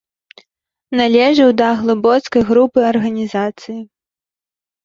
Належаў да глыбоцкай групы арганізацыі.